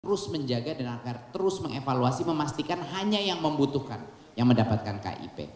terus menjaga dan agar terus mengevaluasi memastikan hanya yang membutuhkan yang mendapatkan kip